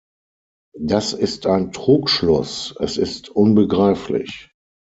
Das ist ein Trugschluss, es ist unbegreiflich.